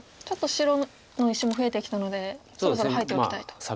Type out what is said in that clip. ちょっと白の石も増えてきたのでそろそろ入っておきたいと。